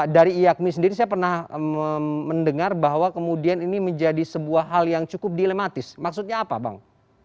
dari iakmi sendiri saya pernah mendengar bahwa kemudian ini menjadi sebuah hal yang cukup dilematis maksudnya apa bang